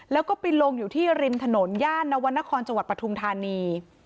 แล้วก็ไปลงอยู่ที่ริมถนนย่านนวรรณครจังหวัดปทุมธานี